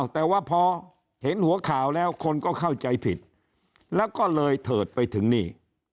แต่ว่าพอเห็นหัวข่าวแล้วคนก็เข้าใจผิดแล้วก็เลยเถิดไปถึงนี่